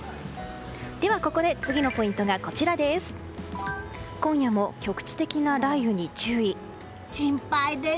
ではここで次のポイントがこちらです。